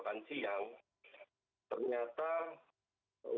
nah kami masih aktif